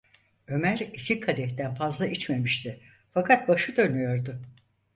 Ömer iki kadehten fazla içmemişti, fakat başı dönüyordu.